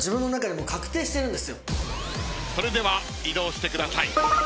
それでは移動してください。